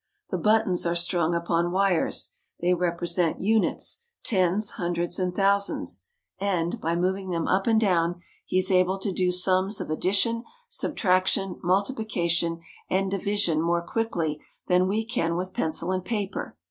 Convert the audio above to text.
The buttons are strung upon wires. They 70 JAPAN represent units, tens, hundreds, and thousands, and, by moving them up and down he is able to do sums of ad dition, subtraction, multipHcation, and division more quickly than we can with pencil and paper.